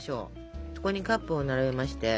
そこにカップを並べまして。